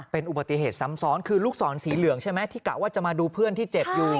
เป็นอุบัติเหตุซ้ำซ้อนคือลูกศรสีเหลืองใช่ไหมที่กะว่าจะมาดูเพื่อนที่เจ็บอยู่